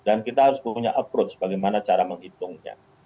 dan kita harus punya approach bagaimana cara menghitungnya